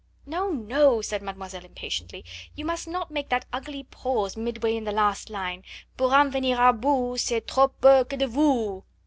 "No! no!" said mademoiselle impatiently; "you must not make that ugly pause midway in the last line: 'pour en venir a bout, c'est trop peu que de vous!